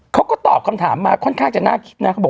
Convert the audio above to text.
เขาก็ตอบคำถามมาค่อนข้างจะน่าคิดนะเขาบอก